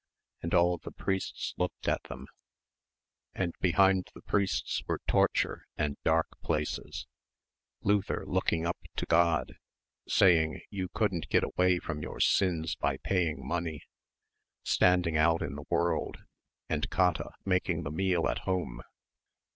and all the priests looked at them ... and behind the priests were torture and dark places ... Luther looking up to God ... saying you couldn't get away from your sins by paying money ... standing out in the world and Käthe making the meal at home